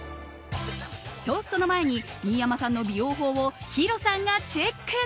と、その前に新山さんの美容法をヒロさんがチェック。